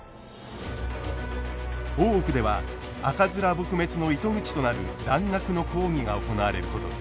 大奥では赤面撲滅の糸口となる蘭学の講義が行われることに。